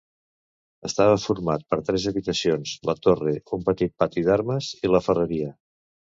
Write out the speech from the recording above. Estava format per tres habitacions, la torre, un petit pati d’armes i la ferreria.